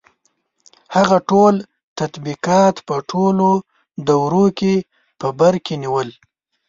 • هغه ټول طبقات په ټولو دورو کې په بر کې نیول.